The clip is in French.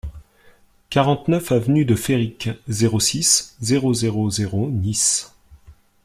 quarante-neuf avenue de Féric, zéro six, zéro zéro zéro, Nice